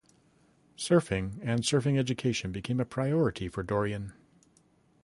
Surfing and surfing education became a priority for Dorian.